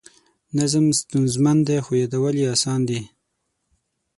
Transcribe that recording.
نظم ستونزمن دی خو یادول یې اسان دي.